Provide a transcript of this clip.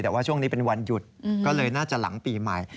แต่ว่าช่วงนี้เป็นวันหยุดก็เลยน่าจะหลังปีใหม่